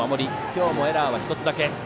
今日もエラーは１つだけ。